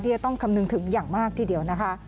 จะต้องคำนึงถึงอย่างมากทีเดียวนะคะ